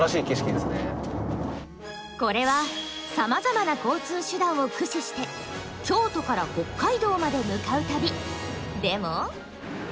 これはさまざまな交通手段を駆使して京都から北海道まで向かう旅。